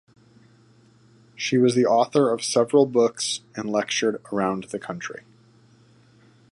She was the author of several books and lectured around the country.